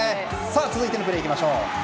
続いてのプレーいきましょう。